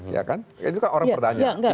ya kan itu kan orang pertanyaan